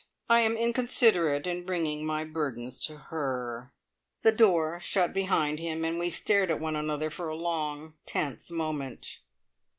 I am inconsiderate in bringing my burdens to her." The door shut behind him, and we stared at one another for a long tense moment.